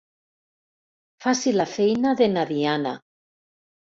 Faci la feina de na Diana.